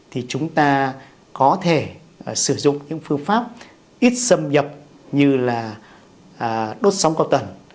thì chúng ta có thể sử dụng những phương pháp ít xâm nhập như là đốt sóng cao tần